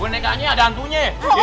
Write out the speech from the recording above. bonekanya ada hantunya